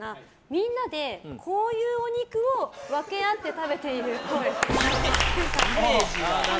みんなでこういうお肉を分け合って食べているっぽい。